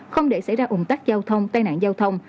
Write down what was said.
không để xảy ra ủng tắc giao thông tai nạn giao thông